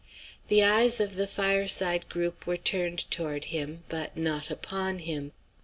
The eyes of the fireside group were turned toward him; but not upon him.